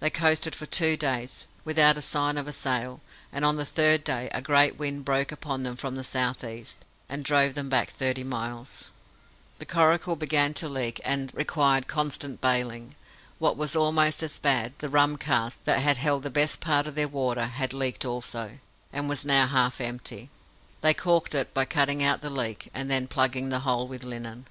They coasted for two days, without a sign of a sail, and on the third day a great wind broke upon them from the south east, and drove them back thirty miles. The coracle began to leak, and required constant bailing. What was almost as bad, the rum cask, that held the best part of their water, had leaked also, and was now half empty. They caulked it, by cutting out the leak, and then plugging the hole with linen.